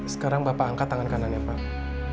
sekarang bapak angkat tangan kanan ya pak